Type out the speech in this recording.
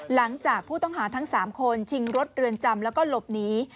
หลังจากผู้ต้องหาทั้ง๓คนชิงรถเรือนจำแล้วก็หลบหนี